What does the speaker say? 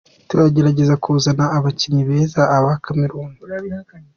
Turagerageza kuzana abakinyi bez aba Cameroun.